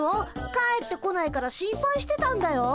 帰ってこないから心配してたんだよ。